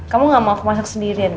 kamu nggak mau aku masak sendirian ya